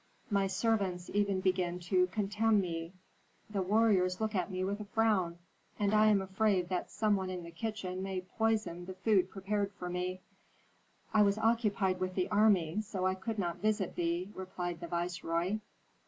My servants even begin to contemn me, the warriors look at me with a frown, and I am afraid that some one in the kitchen may poison the food prepared for me." "I was occupied with the army, so I could not visit thee," replied the viceroy.